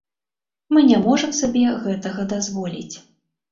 Мы не можам сабе гэтага дазволіць.